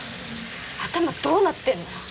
頭どうなってんの？